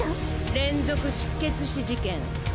連続失血死事件。